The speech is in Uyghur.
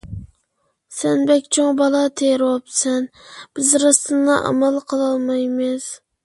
سەن بەك چوڭ بالا تېرىۋاپسەن! بىز راستتىنلا ئامال قىلالمايمىز.